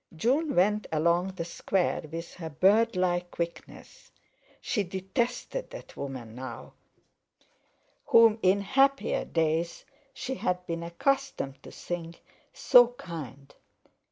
June went along the Square with her bird like quickness. She detested that woman now whom in happier days she had been accustomed to think so kind.